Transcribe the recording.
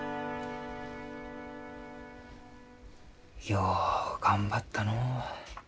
よう頑張ったのう。